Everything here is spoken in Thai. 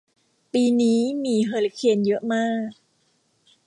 ปีนี้มีเฮอริเคนเยอะมาก